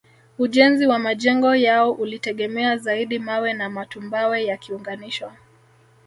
Ujenzi wa majengo yao ulitegemea zaidi mawe na matumbawe yakiunganishwa